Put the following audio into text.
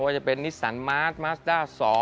ก็จะเป็นนิสสานมาสมาสตาร์ส๒